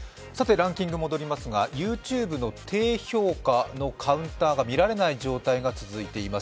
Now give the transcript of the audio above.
ＹｏｕＴｕｂｅの低評価のカウンターが見られない状態が続いています。